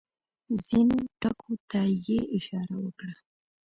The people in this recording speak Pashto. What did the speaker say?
ځینو ټکو ته یې اشاره وکړه.